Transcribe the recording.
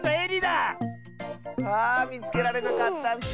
あみつけられなかったッス！